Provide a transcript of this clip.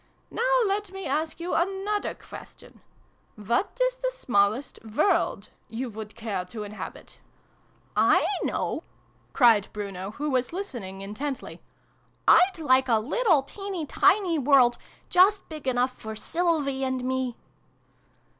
Now let me ask you another question. What is the smallest world you would care to inhabit ?" 170 SYLVIE AND BRUNO CONCLUDED. "/ know!" cried Bruno, who was listening intently. " I'd like a little teeny tiny world, just big enough for Sylvie and me